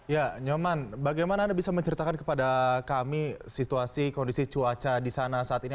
ya nyoman bagaimana anda bisa menceritakan kepada kami situasi kondisi cuaca di sana saat ini